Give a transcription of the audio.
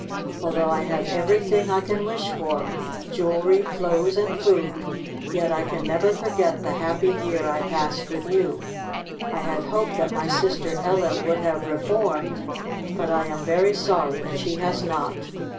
Although I have every thing I can wish for, jewelry, clothes, and food, yet I can never forget the hap py year I passed with you. I had hoped that my sister Ellen would have re formed, but I am very sorry that she has not.